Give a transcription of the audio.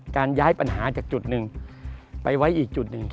การย้ายปัญหาจากจุดหนึ่งไปไว้อีกจุดหนึ่ง